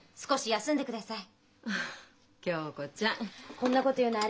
休んでください！